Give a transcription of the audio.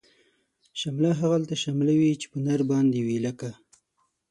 شمله هغلته شمله وی، چی په نر باندی وی لکه